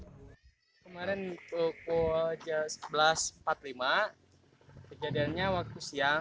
kemarin pukul sebelas empat puluh lima kejadiannya waktu siang